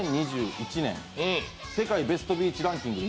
２０２１年、世界ベストビーチランキング